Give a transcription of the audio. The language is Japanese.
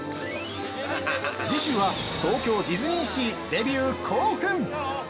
◆次週は、東京ディズニーシーデビュー後編！